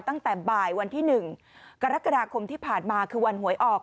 ตั้งแต่บ่ายวันที่๑กรกฎาคมที่ผ่านมาคือวันหวยออก